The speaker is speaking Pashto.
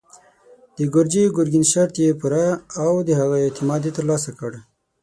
د ګرجي ګرګين شرط يې پوره او د هغه اعتماد يې تر لاسه کړ.